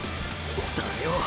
だよ！！